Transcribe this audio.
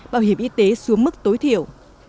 bảo hiểm y tế xuống mức tối thiểu